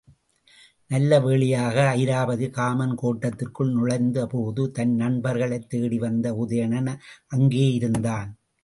நல்ல வேளையாக அயிராபதி காமன் கோட்டத்திற்குள் நுழைந்த போது, தன் நண்பர்களைத் தேடி வந்த உதயணன் அங்கே இருந்தான்.